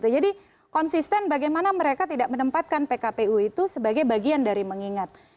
jadi konsisten bagaimana mereka tidak menempatkan pkpu itu sebagai bagian dari mengingat